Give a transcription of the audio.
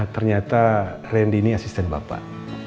ternyata randy ini asisten bapak